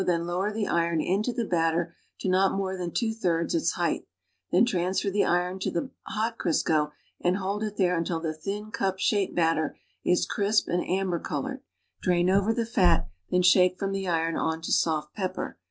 then lower the iron into the batter to not more than two thirds its height, then transfer the iron to the hot Crisco and hold it there until the thin cup shaped batter is crisp and amber col ored; drain over the fat, then shake from the iron onto soft paper.